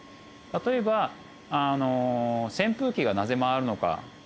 例えば扇風機がなぜ回るのか。